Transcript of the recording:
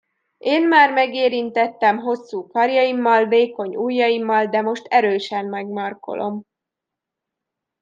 Én már megérintettem hosszú karjaimmal, vékony ujjaimmal, de most erősen megmarkolom!